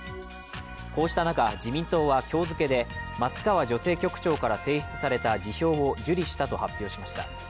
こうした中、自民党は今日付で松川女性局長から提出された辞表を受理したと発表しました。